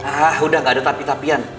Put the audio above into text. ah udah gak ada tapi tapian